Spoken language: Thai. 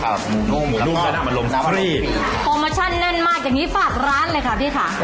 โฟมอชั่นนั่นมากอย่างนี้ฝากร้านเลยครับพี่ค่ะ